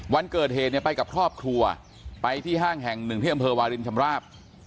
วันเกิดเหตุเนี่ยไปกับครอบครัวไปที่ห้างแห่งหนึ่งที่อำเภอวาลินชำราบ